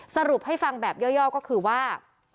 สรุปให้ฟังแบบย่อก็คือว่า